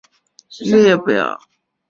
这是一份穆罗姆统治者的列表。